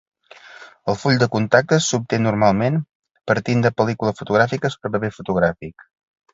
El full de contactes s'obté normalment partint de pel·lícula fotogràfica sobre paper fotogràfic.